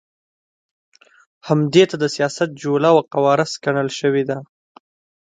همدې ته د سیاست جوله او قواره سکڼل شوې ده.